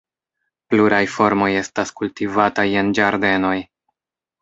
Pluraj formoj estas kultivataj en ĝardenoj.